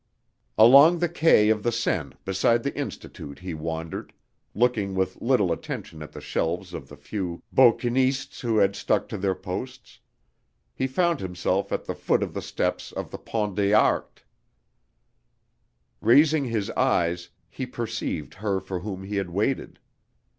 ALONG the quay of the Seine beside the Institute he wandered, looking with little attention at the shelves of the few bouquinistes who had stuck to their posts. He found himself at the foot of the steps of the Pont des Arts. Raising his eyes he perceived her for whom he had waited.